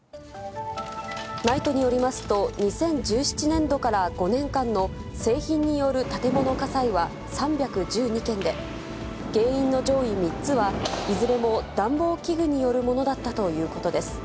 ＮＩＴＥによりますと、２０１７年度から５年間の製品による建物火災は３１２件で、原因の上位３つは、いずれも暖房器具によるものだったということです。